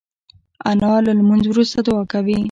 انا له لمونځ وروسته دعا کوي